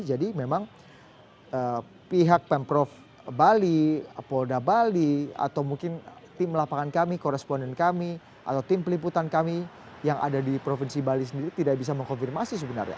jadi memang pihak pemprov bali polda bali atau mungkin tim lapangan kami koresponden kami atau tim peliputan kami yang ada di provinsi bali sendiri tidak bisa mengkonfirmasi sebenarnya